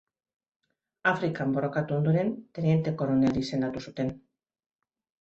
Afrikan borrokatu ondoren, teniente koronel izendatu zuten.